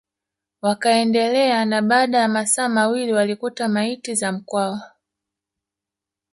Wakaendelea na baada ya masaa mawili walikuta maiti za Mkwawa